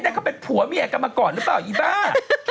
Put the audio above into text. นี่เขาเป็นผัวเมียกันมาก่อนหรือเปล่าอีบ้า